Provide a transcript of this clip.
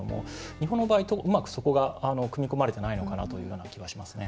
日本の場合、うまくそこが組み込まれてないのかなというような気がしますね。